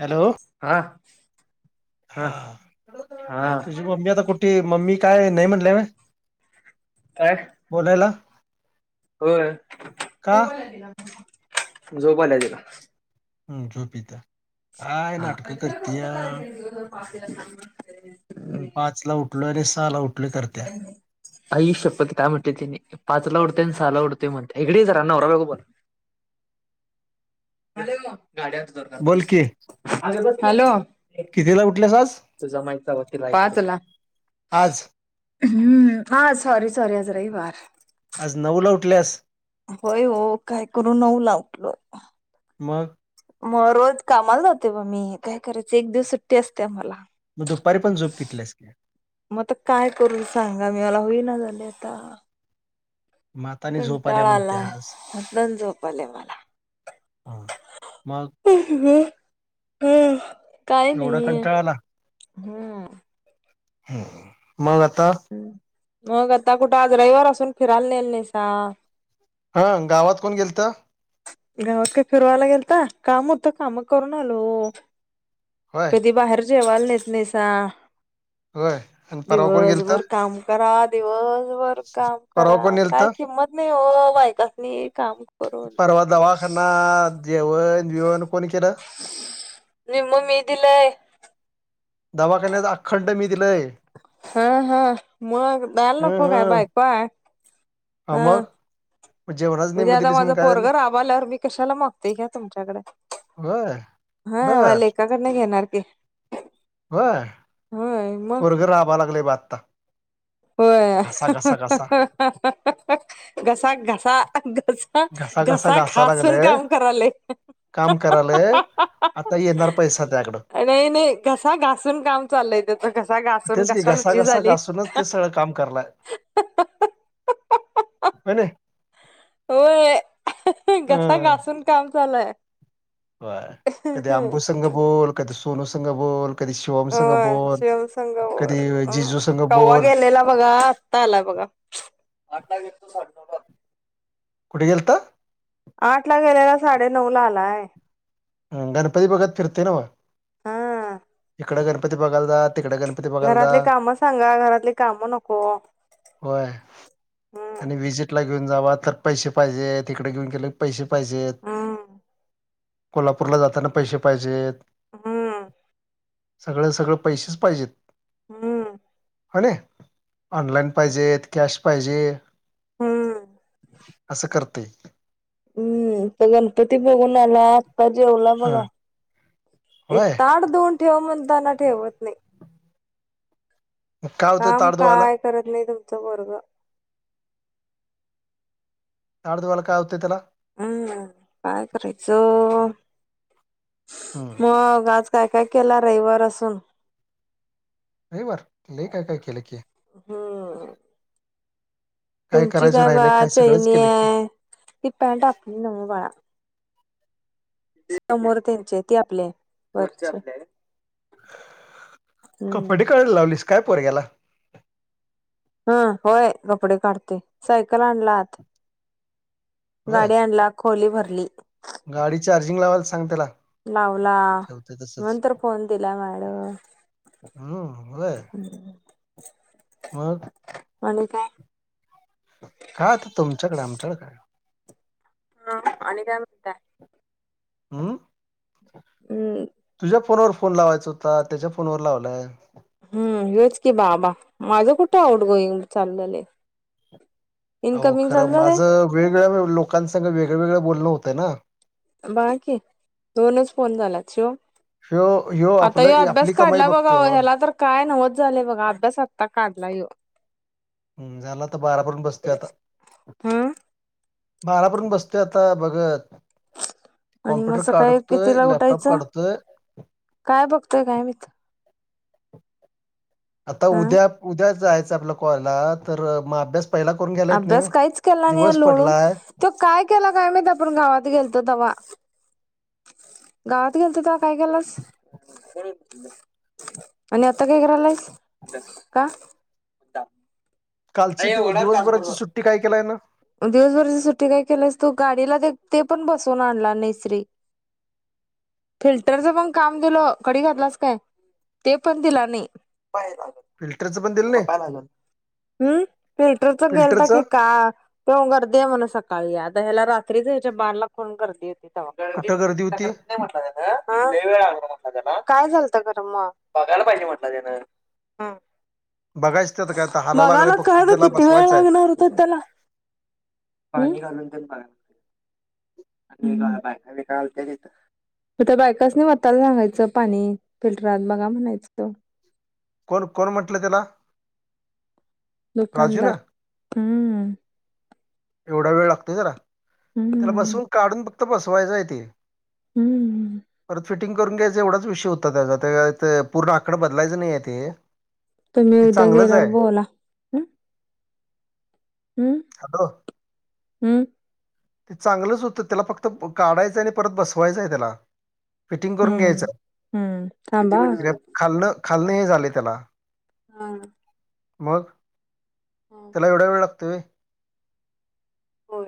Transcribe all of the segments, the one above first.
Hello. हा हा हा तुझी मम्मी आता कुठ- ठे मम्मी काय नाही म्हटलंय व्हय. काय? बोलायला. होय. का झोप आली तिला. हम्म झोपीता. नंतर फोन करा [unintelligible] पाचला उठलो आणि सहाला उठलो करत्या. आईशप्पथ काय म्हटले तिने पाचला उठते आणि सहाला उठते म्हणते, इकडे ये जरा नवरा बायको- हॅलो. गाड्याच धरतात बोल बस, की अग बस. हॅलो. कितीला उठलीस आज? तुझा माईचा वकील आहे. पाचला. पाच? हम्म हा सॉरी सॉरी आज रविवार. आज नऊला उठल्या अस- होय हो, काय करू नऊला उठलो. मग- मग रोज कामाला जाते बा मी. काय करायच एक दिवस सुट्टी असते आम्हाला. मग दुपारी पण झोप घेतल्यास? मग आता काय करू सांगा मी. मला होई ना झालंय आता. म आता नाही झोप आल्या कंटाळा आलाय म्हणत्यास. म्हणून झोप आल्या मला. ह मग? हा काही एवढा नाही कंटाळा आला हम्. हम्, मग आता? मग आता कुठं आज रविवार असून फिरायला नेला नाहीसा. हा गावात कोण गेलतं? गावात काय फिरवायला गेलता? काम होतं काम करून आलो. होय कधी बाहेर - जेवायला नेत नाहीसा. होय आणि परवा कोण गेलत दिवसभर काम- करा दिवसभर काम परवा करा कोण नेलत काय किंमत नाही हो बायकासनी, काम- करून. परवा दवाखाना जेवण बेवण कोणी केलं? निम्म मी दिलय- दवाखान्याचं अखंड मी दिलंय. हा हा मग द्यायला ह नको ह काय बायको आहे. हा मग मग जेवणाच निम्म उद्या आता दिलीस मग माझं काय पोरग झालं राबाल्यावर मी कशाला मागतोय घ्या तुमच्याकड बरं घेणार की व्हयं होय मग पोरगं राबायला लागलेय बग आत्ता होय अ घसा घसा घसा घसा घासून काम करालय. काम करायलय आता येणार पैसा त्याकडं नाही नाही घसा घासून काम चाललाय त्याच घसा घा तेच की घसा घसा घासूनच ते सगळं काम करलाय. व्हयं नी होय घसा घासून काम चालय. व्हयं कधी अंबूसंग बोल कधी सोनू संग बोल कधी शिवम संघ व्हयं अ बोल शिवम संंग कधी बोल जिजू संघ कौवा बोल गेलेला बघा अत्ता आलाय बघा. कुठे गेलता? आठ ला गेलेला साडे नऊ ला आलाय. गणपती बघत फिरतय नव्ह. हा इकडे गणपती बघायला जा. तिकडं गणपती बघायला जा घरातली काम सांगा घरातली काम नको. होय हम्म आणि व्हिसिट- -ला घेऊन जावा तर पैसे पाहिजेत तिकडे घेऊन गेले पैसे पाहिजेत. हम्म. कोल्हापूरला जाताना पैसे पाहिजेत. हम् सगळं सगळं पैसेच पाहिजेत. हम्म हो नी ऑनलाईन पाहिजेत कॅश पाहिजे. हम्म. असं करतय. हम्म आता गणपती बघून आलात. आता जेवला हा बघा एक होय ताट धुन ठेव म्हणताना ठेवत नाही मग काय होतं काम ताड धुवायला काय करत नाही तुमचा पोरगं ताट धुवायला काय होतं त्याला हम् काय करायचं हम्म मग आज काय काय केला रविवार असून रविवार लय काय काय केलं की हम्म तुमची करायचं काय बा राहिलंय सगळंच चैणी केलं की आहे. ती पॅन्ट आपली नव्ह बाळा समोर त्यांचे ते आपली आहे वरचे कपडे काढायला लावलीस काय पोरग्याला हा होय कपडे काढते सायकल आणलात. होय गाडी आणला खोली भरली गाडी चार्जिंग लावायला सांग त्याला. लावला ठेवते तसंच म्हणुन तर फोन दिला मॅडम. हम्म ब. मग आणि काय. काय अत्ता तुमच्याकडे आमच्याकडे काय. ह आणि काय म्हणतात. हम्म. हम् तुझ्या फोनवर फोन लावायचा होता त्याच्या फोनवर लावलाय हम् हेच की बाबा माझं कुठं आऊट गोईंग चालू झालंय. अहो इनकमिंग खरं चालू झालंय. माझं वेगवेगळ्या लोकांसग वेगळवेगळ बोलणं होतय ना. बघा की दोनच फोन झाल्यात शिव ह्यो आता आपलं ह्यो आपली अभ्यास कमाई काढला बघा बघतो ह्याला तर काय नवच झालंय बघा अभ्यास आत्ता काढला ह्यो. हम्म झालं आता बारा पर्यंत बसतय आता. हं बाारापर्यंत बसतय आता बघत. आणि मग कॉमप्यूटर सकाळी काडतय कितीला प्लॅपटॉप उठायचं? काढतोय. काय बघतोय काय माहित. आता हं उद्या उद्या जायचं आपला कॉलेजला तर म अभ्यास पहिला करून घ्यायला येत नाही अभ्यास व्हय. काहीच केला नाही दिवस लोळून पडलाय तो काय केला काय माहीत आपण गावात गेलतो तवा गावात गेलतो तवा काय केलास? आणि आता काय करायलस अभ्यास, का? कालची दिव दिवसभराची सुट्टी काय केलाय हेना दिवसभरची सुट्टी काय केल्यास तू गाडीला ते ते पण बसवून आणला नाहीस रे फिल्टरचं पण काम दिलो कडी घातलाच काय? ते पण दिला नाही. फिल्टरचं पण दिलं त्याला नाही. पाय लागल. हम्म फिल्टरच गेलता की फिल्टरचं का तेन गर्दी आहे म्हण सकाळी आता ह्याला रात्रीच याच्या बाडला फोन करते. [unintelligible] कुठं गर्दी होती नाही म्हटल तेन लय वेळ लागलं म्हंटला काय झालतं खर म बघायला पाहिजे म्हटलं तेन हा बघायच त्यात [unintelligible] बघायला काय आता किती वेळ लागणार होत त्याला [unintelligible] तर त्या बायकासनी वातायला सांगायच पाणी फिल्टरात बघा म्हणायचं कोण कोण म्हटलं तेला? ना दुकानदार हम् एवढा वेळ लागतो होय तेला त्याला हम्म बसवून काढून फक्त बसवायचंय ते हम्म [unintelligible] फिटिंग करून घ्यायच एवढाच विषय त्याचा ते पुर्ण आकडं बदलायचं नाहीय ते तुम्ही ते उद्या चांगलंच गेल्यावर आहे बोला. हम्म हम्म हॅलो हम्म. ते चांगलंच होतं त्याला फक्त काढायचंय आणि परत बसवायचंय त्याला. फिटिंग करून घ्यायचं हम्म हम्म थांबा हा खाल् खालन हे झालं तेला. हा. मग त्याला हा. एवढा वेळ लागतो होय? हो.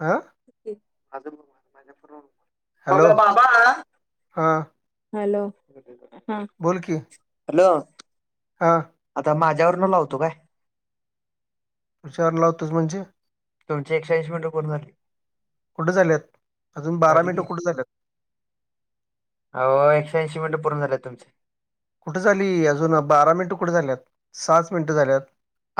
आ [unintelligible] हॅलो बघा बाबा हां हॅलो हा बोल की हॅलो. हा. आता माझ्यावर न लावतो काय? तुझ्यावरन लावतो म्हणजे? तुमची एकेशे ऐंशी मिनटं पूर्ण झाली. कुठं झाल्यात अजून बारा झाली मिनटं की कुठं झाल्यात? अहो एकशे ऐंशी मिनटं पूण झाले आहेत तुमचे. कुठे झाली अजून बारा मिनिटं कुठे झाल्यात सहाच मिनिटं झाल्यात.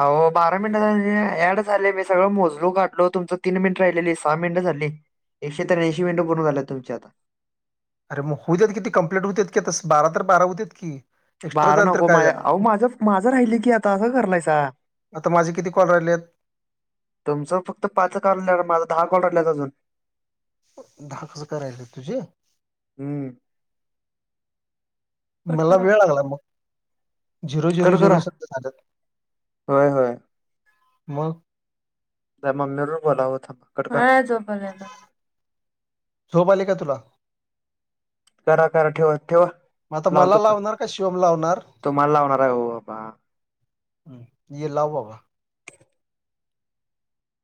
अह बारा मिनट झा ऍड झाले मी सगळं मोजलो काढलो, तुमचं तीन मिनिट राहिलेली सहा मिनिट झाली. एकशे त्र्याऐंशी मिनटं पूर्ण झालेत तुमची आता. अरे मग हु देत की त ते कंप्लीट होत आहेत की तस बारा तर बारा हु देत की. एक्स्ट्रा बारा झालं तर नको काय माझ्या झालं अहो माझ माझं राहिले की आता असं कलायसा. आता माझे किती कॉल राहिले आहेत? तुमचं फक्त पाच कॉल राहिले माझा दहा कॉल राहिल्यात अजून. दहा कस काह राहीलेय तुजे? हम्म. कट मला करा वेळ लागला मग. झिरो झिरो कट झिरो करा स झालं होय होय मग. त्या मम्मी बरोबर बोलाव थांबा कट करु. झोप आली का तुला? करा करा ठेव ठेवा. मग आता मला लावतो लावणार का शिवम लावणार.? तुम्हाला लावणार आहे ओ बाबा हम्म ये लाव बाबा.